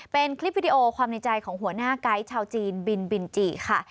เป็นคลิปวิดีโอความในใจของหัวหน้าไกด์ชาวจีนบินบินจิค่ะ